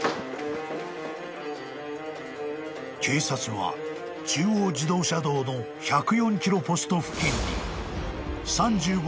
［警察は中央自動車道の１０４キロポスト付近に］